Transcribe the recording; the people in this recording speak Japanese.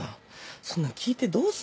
そんなん聞いてどうすんだよ